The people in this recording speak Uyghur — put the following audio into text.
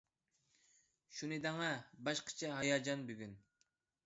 شۇنى دەڭە، باشقىچە ھاياجان بۈگۈن!